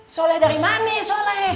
soleh dari mana ya soleh